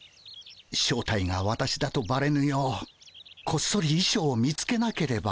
正体が私だとばれぬようこっそりいしょうを見つけなければ。